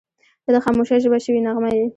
• ته د خاموشۍ ژبه شوې نغمه یې.